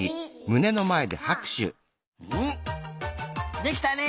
できたね！